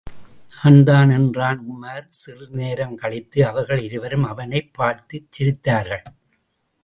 நான்தான் என்றான் உமார், சிறிது நேரம் கழித்து அவர்கள் இருவரும் அவனைப் பார்த்துச் சிரித்தார்கள்.